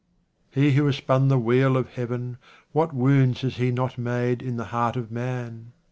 He who has spun the wheel of Heaven, what wounds has He not made in the heart of man